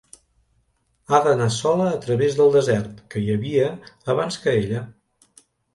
Ha d'anar sola a través del desert que hi havia abans que ella.